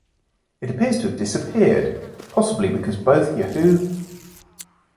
It appears to have disappeared, possibly because both Yahoo!